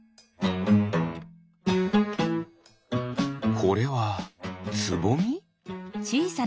これはつぼみ？